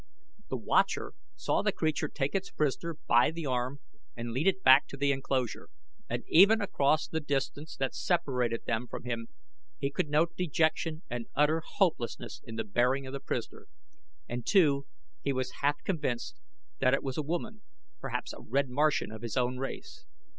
The watcher saw the creature take its prisoner by the arm and lead it back to the enclosure, and even across the distance that separated them from him he could note dejection and utter hopelessness in the bearing of the prisoner, and, too, he was half convinced that it was a woman, perhaps a red Martian of his own race.